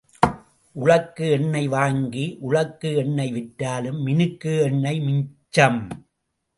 உழக்கு எண்ணெய் வாங்கி உழக்கு எண்ணெய் விற்றாலும் மினுக்கு எண்ணெய் மிச்சம்.